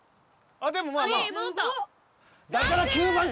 でもまあまあ。